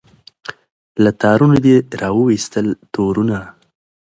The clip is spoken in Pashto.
له تارونو دي را وایستل تورونه